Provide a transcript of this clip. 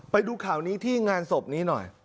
ไปดูข่าวนี้ที่งานศพนี้หน่อย